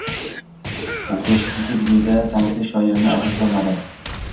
O‘qituvchisiki dunyoga taniqli shoirni ajratolmadi